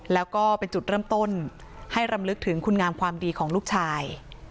แล้วก็เป็นจุดเริ่มต้นให้รำลึกถึงคุณงามความดีของลูกชาย